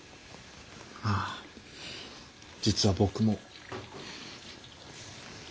ああ実は僕も。